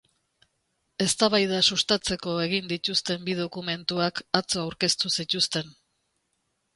Eztabaida sustatzeko egin dituzten bi dokumentuak atzo aurkeztu zituzten.